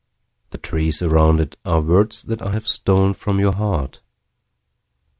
The trees around itAre words that I have stolen from your heart.